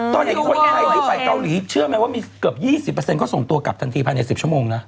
ตอนนี้คนไทยที่ไปเกาหลีเชื่อไหมว่ามีเกือบ๒๐เขาส่งตัวกลับทันทีภายใน๑๐ชั่วโมงนะ